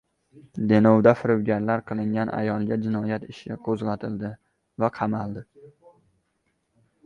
Denovda firibgarlik qilgan ayolga jinoyat ishi qo‘zg‘atildi